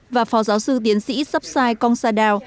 và phó giáo sư tiến sĩ sapsai kongsadao